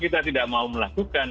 kita tidak mau melakukan